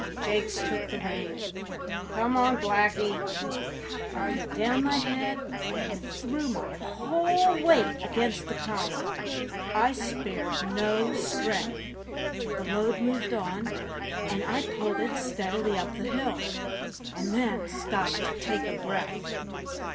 Jakes took the rein. "Come on, Blackie." I put down my head, and threw my whole weight against the collar; I spared no strength; the load moved on, and I pulled it steadily up the hill, and then stopped to take breath.